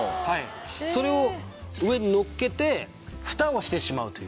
それを上にのっけて蓋をしてしまうという。